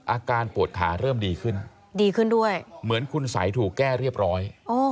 อาการปวดขาเริ่มดีขึ้นเหมือนคุณสัยถูกแก้เรียบร้อย